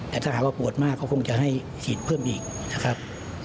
แต่ถ้าหากว่าปวดมากก็คงจะให้ฉีดเพิ่มอีกนะครับ